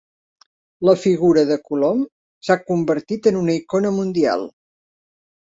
La figura de Colom s'ha convertit en una icona mundial.